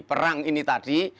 perang ini tadi